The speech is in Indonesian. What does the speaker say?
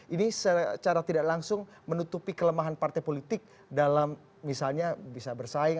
ini secara tidak langsung menutupi kelemahan partai politik dalam misalnya bisa bersaing